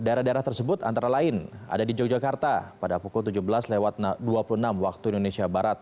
daerah daerah tersebut antara lain ada di yogyakarta pada pukul tujuh belas lewat dua puluh enam waktu indonesia barat